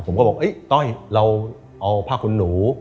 ผมก็บอกต้อยเราเอาผ้าขนหนู